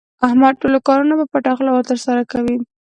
احمد ټول کارونه په پټه خوله ترسره کوي.